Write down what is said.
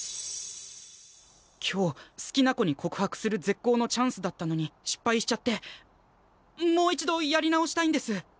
今日好きな子に告白する絶好のチャンスだったのに失敗しちゃってもう一度やり直したいんです。